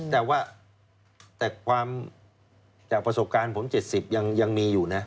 แต่ว่าแต่ความจากประสบการณ์ผม๗๐ยังมีอยู่นะ